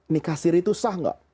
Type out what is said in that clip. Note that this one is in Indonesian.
nikah siri itu sah nggak